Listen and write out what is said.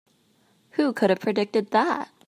Who could have predicted that?